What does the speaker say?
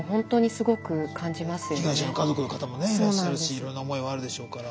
被害者の家族の方もねいらっしゃるしいろんな思いはあるでしょうから。